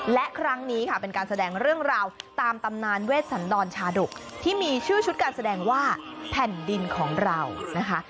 และครั้งนี้ค่ะเป็นการแสดงเรื่องราวตามตำนานเวชสันดรชาดกที่มีชื่อชุดการแสดงว่าแผ่นดินของเรานะคะ